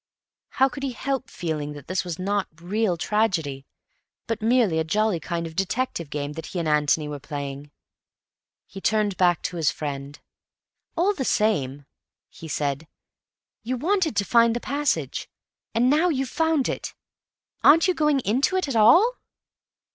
How could he help feeling that this was not real tragedy, but merely a jolly kind of detective game that he and Antony were playing? He turned back to his friend. "All the same," he said, "you wanted to find the passage, and now you've found it. Aren't you going into it at all?"